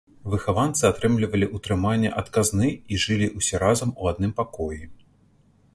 Выхаванцы атрымлівалі ўтрыманне ад казны і жылі ўсе разам у адным пакоі.